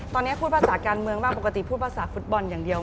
ตอนนี้พูดภาษาการเมืองบ้างปกติพูดภาษาฟุตบอลอย่างเดียว